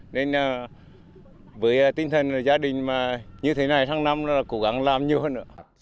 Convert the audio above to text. nên với tinh thần gia đình như thế này tháng năm là cố gắng làm nhiều hơn nữa